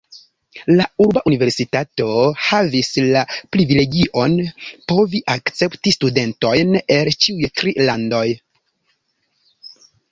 La urba universitato havis la privilegion povi akcepti studentojn el ĉiuj tri landoj.